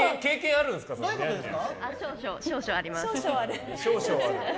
少々あります。